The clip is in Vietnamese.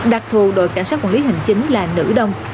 đặc thù đội cảnh sát quản lý hành chính là nữ đông